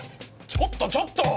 ちょっとちょっと！